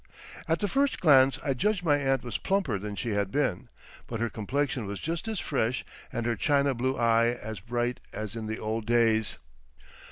At the first glance I judged my aunt was plumper than she had been, but her complexion was just as fresh and her China blue eye as bright as in the old days.